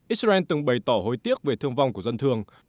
israel từng bày tỏ hối tiếc về thương vong của dân thường